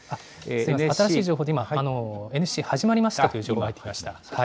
今、新しい情報でＮＳＣ、始まりましたという情報が入りました。